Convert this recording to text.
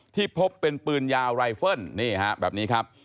ที่พบเป็นปืนยาไลฟล์แบบนี้ครับ